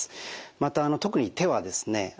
また特に手はですね